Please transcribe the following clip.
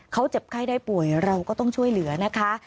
เขาเจ็บไข้ได้ป่วยเราก็ต้องช่วยเหลือนะคะ